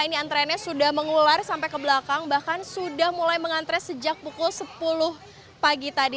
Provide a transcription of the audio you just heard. ini antreannya sudah mengular sampai ke belakang bahkan sudah mulai mengantre sejak pukul sepuluh pagi tadi